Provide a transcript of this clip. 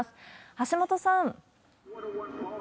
橋本さん。